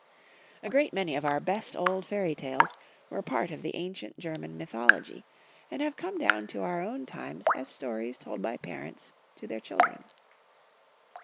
A great many of oiu best old fairy tales were part of the ancient Gennan mytholog}% and have come down to our own times as stories told by parents to their children.